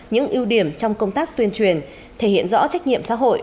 những ưu điểm trong công tác tuyên truyền thể hiện rõ trách nhiệm xã hội